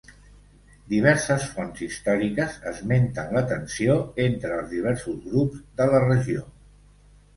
Diverses fonts històriques esmenten la tensió entre els diversos grups de la regió.